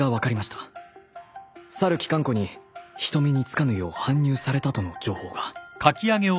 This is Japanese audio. さる機関庫に人目に付かぬよう搬入されたとの情報が。